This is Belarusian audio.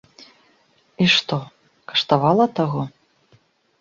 І што, каштавала таго?